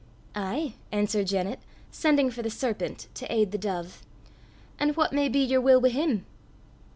"Ay," answered Janet, sending for the serpent to aid the dove; "an' what may be yer wull wi' him?"